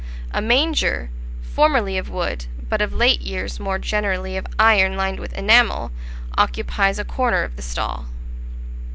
A manger, formerly of wood, but of late years more generally of iron lined with enamel, occupies a corner of the stall.